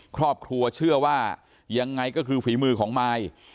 ครอบครัวเชื่อว่ายังไงก็คือฝีมือของมาย